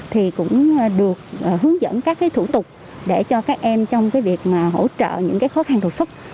thì cũng được hướng dẫn các thủ tục để cho các em trong việc hỗ trợ những khó khăn đột xuất